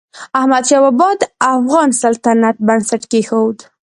احمدشاه بابا د افغان سلطنت بنسټ کېښود.